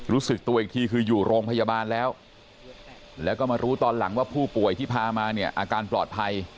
รู้สึกตัวอีกทีคืออยู่โรงพยาบาลแล้วแล้วก็มารู้ตอนหลังว่าผู้ป่วยที่พามาเนี่ยอาการปลอดภัย